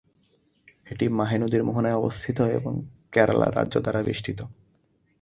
এটি মাহে নদীর মোহনায় অবস্থিত এবং কেরালা রাজ্য দ্বারা বেষ্টিত।